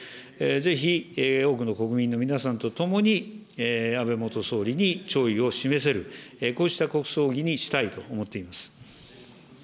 ぜひ多くの国民の皆さんと共に、安倍元総理に弔意を示せる、こうした国葬儀にしたいと思っています。